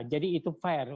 jadi itu fair